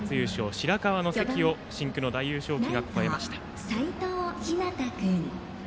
白河の関を深紅の大優勝旗が越えました。